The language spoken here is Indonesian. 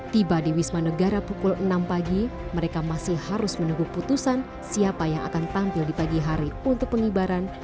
tiba di wisma negara pukul enam pagi mereka masih harus menunggu putusan siapa yang akan tampil di pagi hari untuk pengibaran